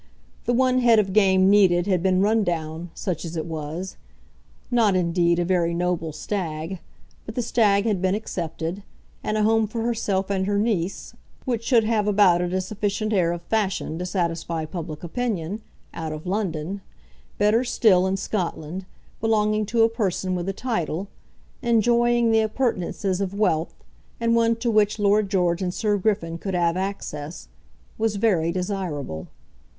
The one head of game needed had been run down, such as it was, not, indeed, a very noble stag; but the stag had been accepted; and a home for herself and her niece, which should have about it a sufficient air of fashion to satisfy public opinion, out of London, better still, in Scotland, belonging to a person with a title, enjoying the appurtenances of wealth, and one to which Lord George and Sir Griffin could have access, was very desirable.